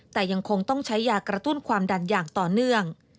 แต่ยังคงต้องใช้ยากระตุ้นความดันอย่างต่อเนื่อง